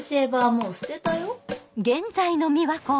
もう捨てたよ